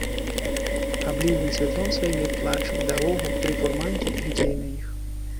Абліў ён святлом сваім, як плачам, дарогу, тры фурманкі і людзей на іх.